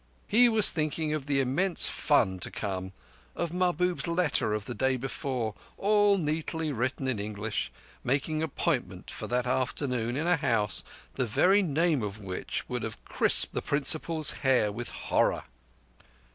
He was thinking of the immense fun to come, of Mahbub's letter of the day before, all neatly written in English, making appointment for that afternoon in a house the very name of which would have crisped the Principal's hair with horror...